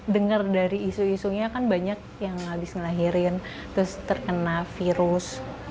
dengar dari isu isunya kan banyak yang habis ngelahirin terus terkena virus